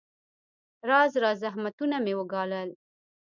راز راز زحمتونه مې وګالل.